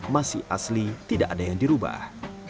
masih asli tidak ada yang dirubah